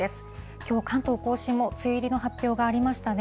きょう、関東甲信も梅雨入りの発表がありましたね。